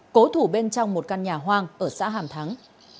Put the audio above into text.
cố thủ bên trong một căn nhà hoang ở xã hàm thắng